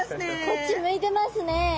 こっち向いてますね。